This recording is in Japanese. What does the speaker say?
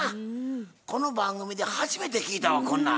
この番組で初めて聞いたわこんなん。